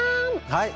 はい！